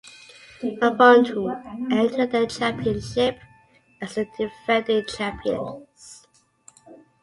Avondhu entered the championship as the defending champions.